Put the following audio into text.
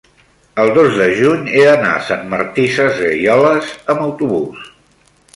el dos de juny he d'anar a Sant Martí Sesgueioles amb autobús.